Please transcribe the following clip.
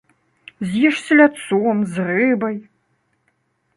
З'еш з селядцом, з рыбай!